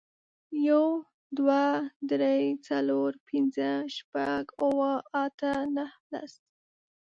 یو، دوه، درې، څلور، پنځه، شپږ، اوه، اته، نهه، لس.